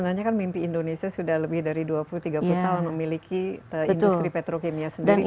sebenarnya kan mimpi indonesia sudah lebih dari dua puluh tiga puluh tahun memiliki industri petrokimia sendiri